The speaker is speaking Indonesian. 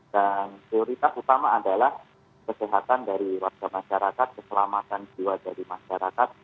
dan prioritas utama adalah kesehatan dari warga masyarakat keselamatan jiwa dari masyarakat